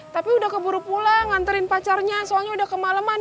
tapi udah keburu pulang nganterin pacarnya soalnya udah kemaleman